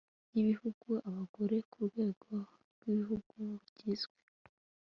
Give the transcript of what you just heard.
y Igihugu y Abagore ku rwego rw igihugu bugizwe